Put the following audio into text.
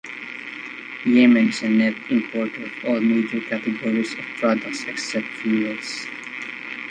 Yemen is a net importer of all major categories of products except fuels.